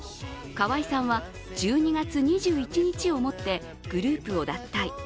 河合さんは１２月２１日をもってグループを脱退。